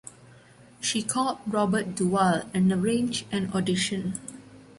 She called Robert Duvall and arranged an audition.